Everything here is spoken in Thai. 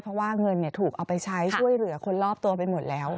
เพราะว่าเงินถูกเอาไปใช้ช่วยเหลือคนรอบตัวไปหมดแล้ว